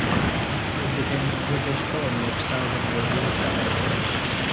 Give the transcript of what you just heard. It became the British colony of Southern Rhodesia.